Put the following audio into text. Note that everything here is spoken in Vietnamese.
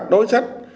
đối xử với các cơ sở